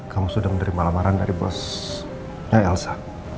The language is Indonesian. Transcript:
kamu sudah menerima lamaran dari bosnya elsa